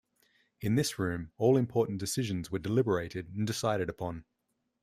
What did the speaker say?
In this room, all important decisions were deliberated and decided upon.